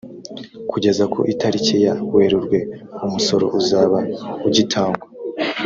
kugeza ku itariki ya werurwe umusoro uzaba ujyitangwa.